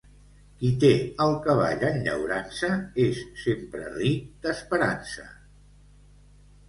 Qui té el cavall en llaurança, és sempre ric d'esperança.